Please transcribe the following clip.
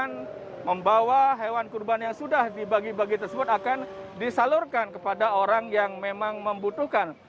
yang membawa hewan kurban yang sudah dibagi bagi tersebut akan disalurkan kepada orang yang memang membutuhkan